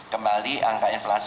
kembali angka inflasi